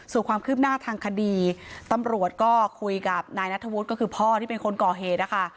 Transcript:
ส่วนความคืบหน้าทางคดีตำรวจก็คุยกับนายนัทธวุฒิก็คือพ่อที่เป็นคนก่อเหตุนะคะ